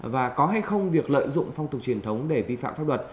và có hay không việc lợi dụng phong tục truyền thống để vi phạm pháp luật